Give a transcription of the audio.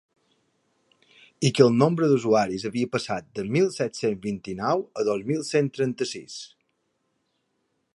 I que el nombre d’usuaris havia passat de mil set-cents vint-i-nou a dos mil cent trenta-sis.